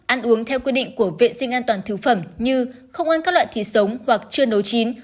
ăn uống theo quy định của vệ sinh an toàn thực phẩm như không ăn các loại thịt sống hoặc chưa nấu chín